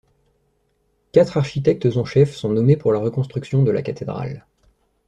Quatre architectes en chef sont nommés pour la reconstruction de la cathédrale.